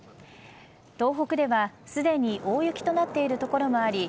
東北では、すでに大雪となっている所もあり